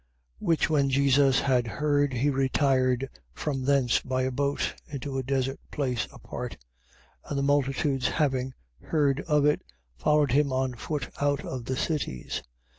14:13. Which when Jesus had heard, he retired from thence by a boat, into a desert place apart, and the multitudes having heard of it, followed him on foot out of the cities.